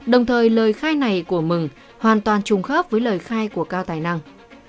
đồng thời lời khai này của mừng hoàn toàn trùng khớp với lời khai của cao tài năng